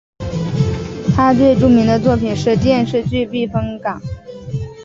他最著名的作品是电视剧避风港。